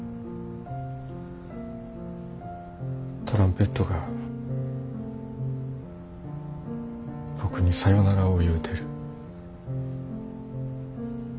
トランペットが僕にさよならを言うてる。